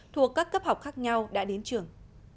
thuộc các cấp học khác nhau đã đến trường